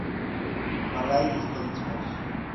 Malay States Mus.